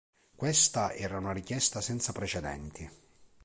Questa era una richiesta senza precedenti.